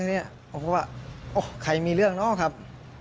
ผมก็ว่าโอ๊ยใครมีเรื่องน้องครับ